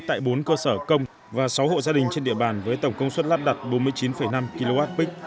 tại bốn cơ sở công và sáu hộ gia đình trên địa bàn với tổng công suất lắp đặt bốn mươi chín năm kwp